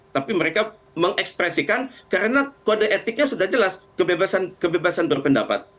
tapi mereka mengekspresikan karena kode etiknya sudah jelas kebebasan berpendapat